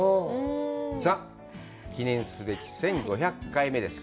さあ、記念すべき１５００回目です。